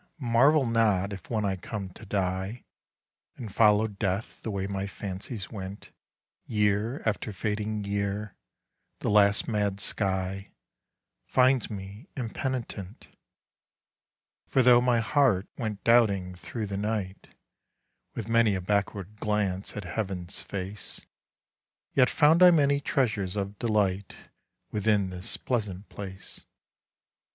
marvel not if when I come to die And follow Death the way my fancies went Year after fading year, the last mad sky Finds me impenitent ; For though my heart went doubting through the night, With many a backward glance at heaven's face, Yet found I many treasures of delight Within this pleasant place.